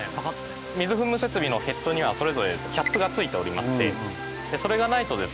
水噴霧設備のヘッドにはそれぞれキャップがついておりましてそれがないとですね